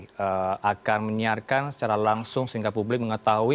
jadi akan menyiarkan secara langsung sehingga publik mengetahui